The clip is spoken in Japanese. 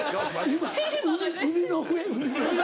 今海海の上海の。